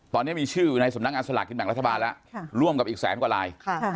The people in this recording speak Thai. ตอนนี้มีชื่ออยู่ในสำนักงานสลากกินแบ่งรัฐบาลแล้วร่วมกับอีกแสนกว่าลาย